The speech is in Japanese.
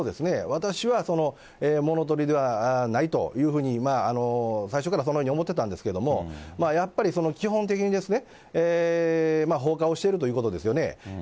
私は物取りではないというふうに、最初からそのように思ってたんですけれども、やっぱり基本的に、放火をしているということですよね。